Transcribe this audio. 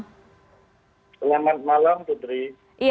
selamat malam putri